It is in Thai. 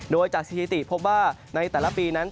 โดยจากสถิติพบว่าในแต่ละปีนั้น